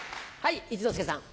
一之輔さん。